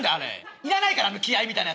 要らないからあの気合いみたいなやつ。